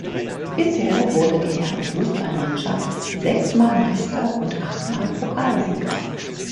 Bisher wurde die Herren-Fußballmannschaft sechsmal Meister und achtmal Pokalsieger.